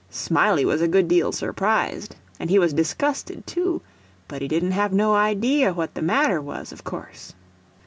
Smiley was a good deal surprised, and he was disgusted too, but he didn't have no idea what the matter was, of course.